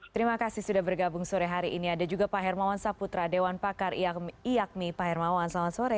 terima kasih sudah bergabung sore hari ini ada juga pak hermawan saputra dewan pakar iakmi pak hermawan selamat sore